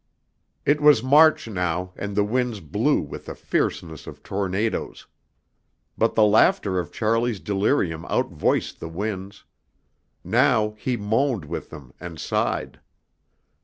It was March now and the winds blew with the fierceness of tornadoes. But the laughter of Charlie's delirium outvoiced the winds. Now he moaned with them and sighed.